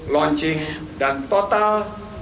launching dan total